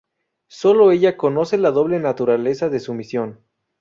Sólo ella conoce la doble naturaleza de su misión.